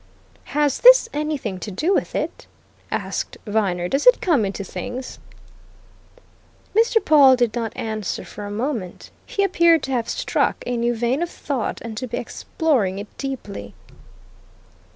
"Has this anything to do with it?" asked Viner. "Does it come into things?" Mr. Pawle did not answer for a moment; he appeared to have struck a new vein of thought and to be exploring it deeply.